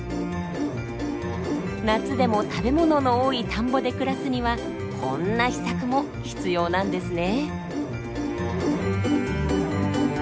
夏でも食べ物の多い田んぼで暮らすにはこんな秘策も必要なんですね。